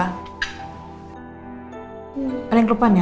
ada yang lupa nih